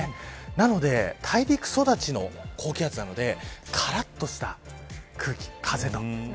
なので大陸育ちの高気圧なのでからっとした空気風と。